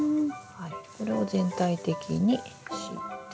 これを全体的に敷いて。